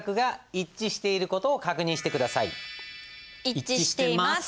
一致しています。